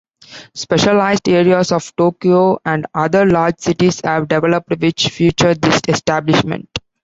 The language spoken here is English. Specialized areas of Tokyo and other large cities have developed which feature these establishments.